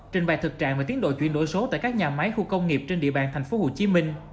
trình bày thực trạng và tiến đội chuyển đổi số tại các nhà máy khu công nghiệp trên địa bàn tp hcm